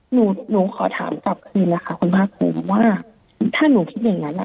หนูหนูขอถามกลับคืนนะคะคุณภาคภูมิว่าถ้าหนูคิดอย่างนั้นอ่ะ